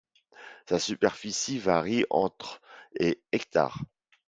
Sa superficie varie entre et hectares.